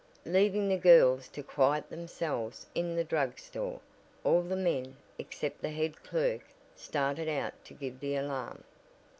Leaving the girls to quiet themselves in the drug store, all the men, except the head clerk, started out to give the alarm.